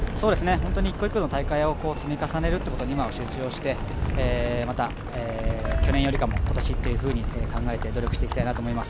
１個１個の大会を積み重ねることに今は集中してまた去年寄りか今年というふうに考えて努力をしていきたいなと思います。